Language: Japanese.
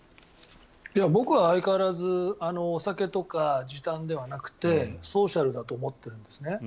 僕は相変わらずお酒とか時短ではなくてソーシャルだと思ってるんですね。